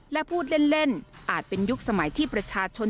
และพูดเล่นอาจเป็นยุคสมัยที่ประชาชน